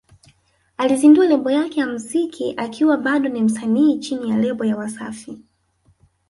Alizindua lebo yake ya muziki akiwa bado ni msanii chini ya lebo ya Wasafi